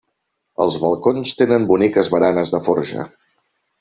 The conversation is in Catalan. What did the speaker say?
Els balcons tenen boniques baranes de forja.